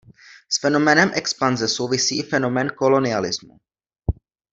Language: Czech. S fenoménem expanze souvisí i fenomén kolonialismu.